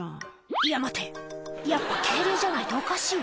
「いや待てやっぱ敬礼じゃないとおかしいわ」